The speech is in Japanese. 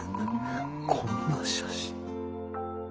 こんな写真。